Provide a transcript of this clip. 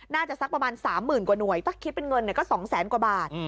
สักประมาณ๓๐๐๐กว่าหน่วยถ้าคิดเป็นเงินก็๒แสนกว่าบาท